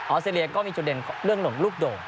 ออสเซีเรียก็มีจุดเด่นเรื่องลงลูกโด่ง